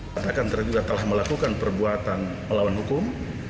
katakan tergugat telah melakukan perbuatan melawan hukum